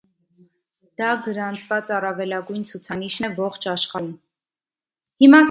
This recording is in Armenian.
Դա գրանցված առավելագույն ցուցանիշն է ողջ աշխարհում։